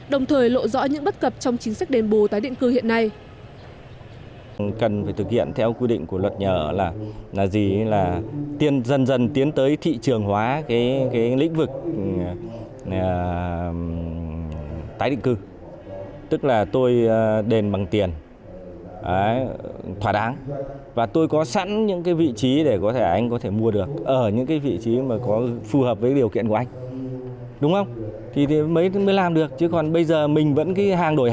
đồng thời lộ rõ những bất cập trong chính sách đềm bùi tái định cư hiện nay